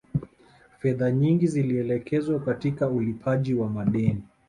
Fedha nyingi zilielekezwa katika ulipaji wa madeni